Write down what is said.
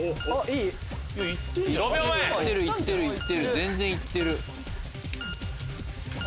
全然行ってる！